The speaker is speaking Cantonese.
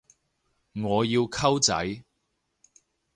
我要溝仔